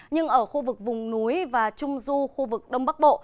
nhưng ở khu vực vùng núi và trung du khu vực đông bắc bộ